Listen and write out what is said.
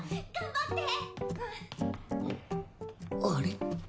あれ？